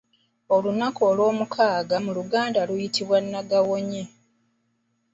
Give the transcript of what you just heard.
Olunaku olw'omukaaga mu luganda luyitibwa Nagawonye.